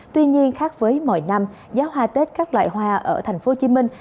tuy nhiên khác với mọi năm giá hoa tết các loại hoa ở thành phố hồ chí minh